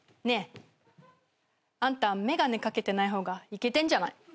ねえあんた眼鏡掛けてない方がいけてんじゃない？